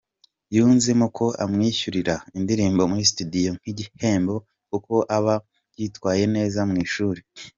Yunzemo ko amwishyurira indirimbo muri studio nk'igihembo kuko aba yitwaye neza mu ishuri.